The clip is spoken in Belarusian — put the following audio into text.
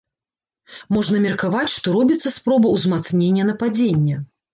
Можна меркаваць, што робіцца спроба ўзмацнення нападзення.